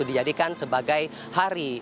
dijadikan sebagai hari